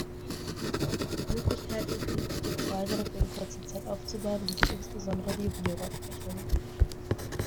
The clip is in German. Möglichkeiten, künstliche Korallenriffe in kurzer Zeit aufzubauen, bietet insbesondere die Biorock-Technologie.